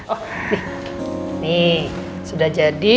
oh ini sudah jadi